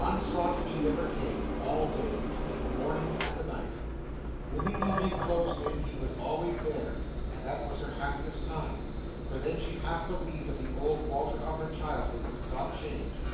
Unsought, he never came, all day, between the morning and the night. When the evening closed in, he was always there, and that was her happiest time, for then she half believed that the old Walter of her childhood was not changed.